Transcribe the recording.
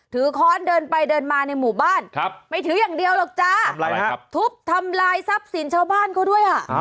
ค้อนเดินไปเดินมาในหมู่บ้านไม่ถืออย่างเดียวหรอกจ้าทุบทำลายทรัพย์สินชาวบ้านเขาด้วยอ่ะ